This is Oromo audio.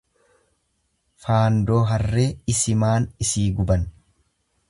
Faandoo harree isimaan isii guban.